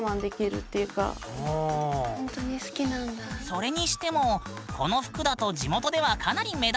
それにしてもこの服だと地元ではかなり目立たない？